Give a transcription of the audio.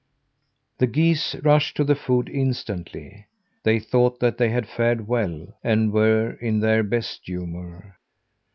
The geese rushed to the food instantly. They thought that they had fared well, and were in their best humour.